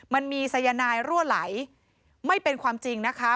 มันมีสายนายรั่วไหลไม่เป็นความจริงนะคะ